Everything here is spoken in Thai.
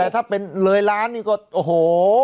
แต่ถ้าเป็นเลยล้านนี่ก็โอ้โห